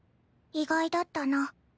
意外だったな。